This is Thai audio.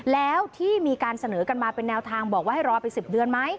แล้วที่มีการเสนอกันมาเป็นแนวทางบอกว่าให้รอไป๑๐เดือนไหม